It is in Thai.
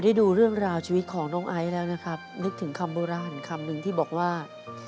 ดูเรื่องราวชีวิตของน้องไอซ์แล้วนะครับนึกถึงคำโบราณคำหนึ่งที่บอกว่า